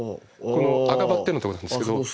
この赤バッテンのところなんですけど。